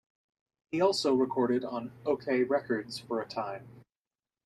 He also recorded on Okeh Records for a time.